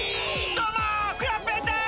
どうもクヨッペンです！